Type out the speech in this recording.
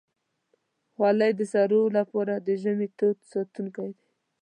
خولۍ د سړو لپاره د ژمي تود ساتونکی ده.